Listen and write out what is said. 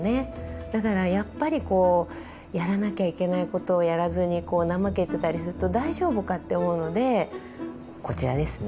だからやっぱりこうやらなきゃいけないことをやらずになまけてたりすると大丈夫かって思うのでこちらですね。